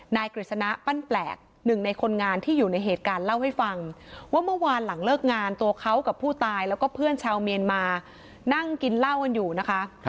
กฤษณะปั้นแปลกหนึ่งในคนงานที่อยู่ในเหตุการณ์เล่าให้ฟังว่าเมื่อวานหลังเลิกงานตัวเขากับผู้ตายแล้วก็เพื่อนชาวเมียนมานั่งกินเหล้ากันอยู่นะคะ